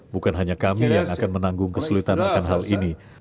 bukan hanya kami yang akan menanggung kesulitan akan hal ini